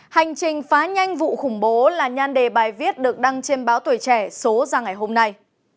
hành trình phá nhanh vụ khủng bố là nhan đề bài viết được đăng trên báo tuổi trẻ số ra ngày hôm nay